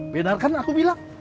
bener kan aku bilang